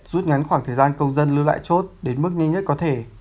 rút ngắn khoảng thời gian công dân lưu lại chốt đến mức nhanh nhất có thể